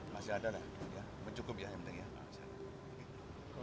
masih ada lah